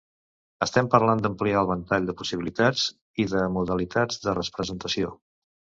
Estem parlant d’ampliar el ventall de possibilitats i de modalitats de representació.